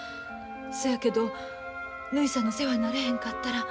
そやけどぬひさんの世話になれへんかったら。